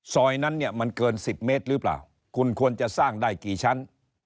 ซอยนั้นเนี่ยมันเกิน๑๐เมตรหรือเปล่าคุณควรจะสร้างได้กี่ชั้น